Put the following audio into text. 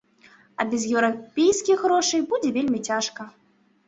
А без еўрапейскіх грошай будзе вельмі цяжка.